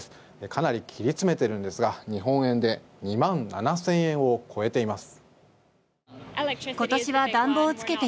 かなり切り詰めているんですが日本円で２万７０００円を超えています。